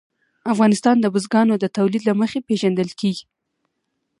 افغانستان د بزګانو د تولید له مخې پېژندل کېږي.